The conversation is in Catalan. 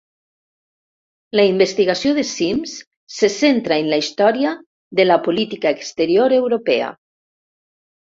La investigació de Simms se centra en la història de la política exterior europea.